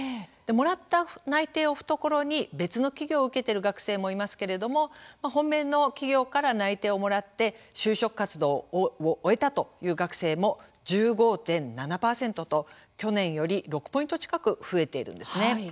もらった内定を懐に別の企業を受けている学生もいますけれども本命の企業から内定をもらって就職活動を終えたという学生も１５．７％と去年より６ポイント近く増えているんですね。